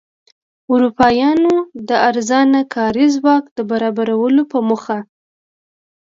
اروپایانو د ارزانه کاري ځواک د برابرولو په موخه.